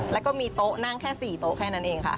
แล้วก็มีโต๊ะนั่งแค่๔โต๊ะแค่นั้นเองค่ะ